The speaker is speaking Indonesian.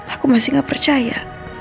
aku masih gak percaya